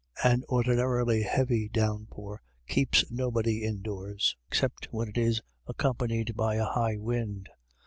An ordinarily heavy downpour keeps nobody indoors, except when it is accompanied by a high wind.